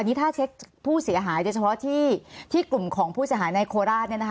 นี่ถ้าเช็คผู้เสียหายโดยเฉพาะที่กลุ่มของผู้เสียหายในโคราช